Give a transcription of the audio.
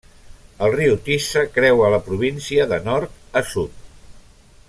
El riu Tisza creua la província de nord a sud.